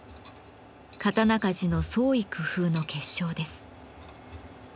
刀鍛冶の創意工夫の結晶です。